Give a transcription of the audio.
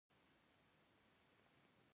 علامه حبيبي د افغانستان د علمي حلقو مشر و.